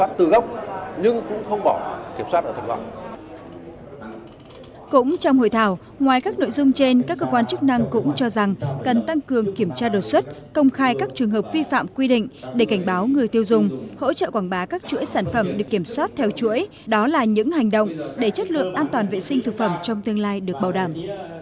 trong hội thảo ngoài các nội dung trên các cơ quan chức năng cũng cho rằng cần tăng cường kiểm tra đột xuất công khai các trường hợp vi phạm quy định để cảnh báo người tiêu dùng hỗ trợ quảng bá các chuỗi sản phẩm được kiểm soát theo chuỗi đó là những hành động để chất lượng an toàn vệ sinh thực phẩm trong tương lai được bảo đảm